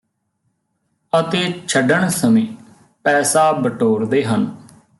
ਅਤੇ ਛੱਡਣ ਸਮੇਂ ਪੈਸਾ ਬਟੋਰਦੇ ਹਨ